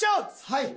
はい。